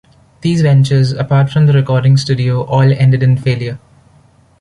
These ventures, apart from the recording studio, all ended in failure.